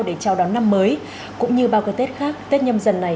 để chào đón năm mới cũng như bao cái tết khác tết nhâm dần này